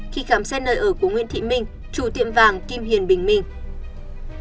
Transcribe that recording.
khi khám xét nơi ở của nguyễn thị minh chủ tiệm vàng kim hiền bình minh